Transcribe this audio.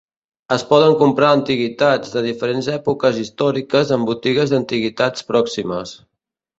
Es poden comprar antiguitats de diferents èpoques històriques en botigues d'antiguitats pròximes.